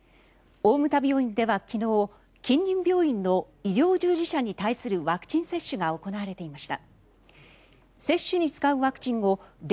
大牟田病院では昨日近隣病院の医療従事者に対するワクチン接種が行われていました。